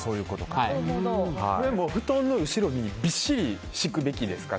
布団の後ろにびっしり敷くべきですか？